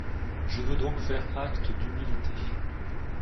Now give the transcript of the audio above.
Je veux donc faire acte d’humilité